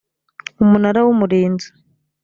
umunara w’umurinzi